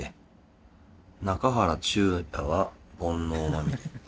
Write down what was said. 「中原中也は煩悩まみれ」。